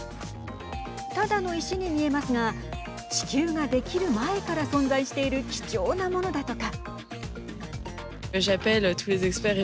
ただの石に見えますが地球ができる前から存在している貴重なものだとか。